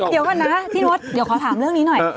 เดี๋ยวก่อนนะพี่โน๊ตเดี๋ยวขอถามเรื่องนี้หน่อย